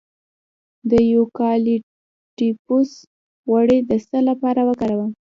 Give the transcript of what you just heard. د یوکالیپټوس غوړي د ساه لپاره وکاروئ